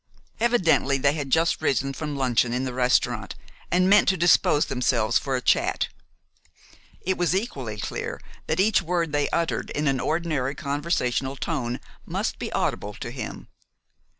Evidently, they had just risen from luncheon in the restaurant, and meant to dispose themselves for a chat. It was equally clear that each word they uttered in an ordinary conversational tone must be audible to him.